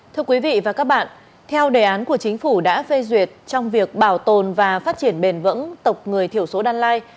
thưa quý vị và các bạn theo đề án của chính phủ đã phê duyệt trong việc bảo tồn và phát triển bền vững tộc người thiểu số đan lai